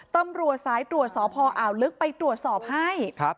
ตำรวจสายตรวจสพอ่าวลึกไปตรวจสอบให้